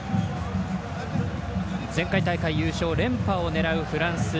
前回大会優勝連覇を狙うフランス。